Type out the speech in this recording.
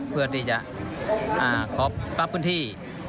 เพื่อที่จะขอบทรัพย์พุทธภื้นที่